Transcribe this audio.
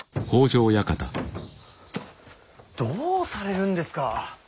どうされるんですか。